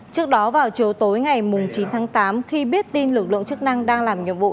trước đó vào chiều tối ngày chín tháng tám khi biết tin lực lượng chức năng đang làm nhiệm vụ